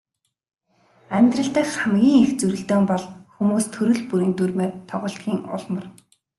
Амьдрал дахь хамгийн их зөрөлдөөн бол хүмүүс төрөл бүрийн дүрмээр тоглодгийн ул мөр.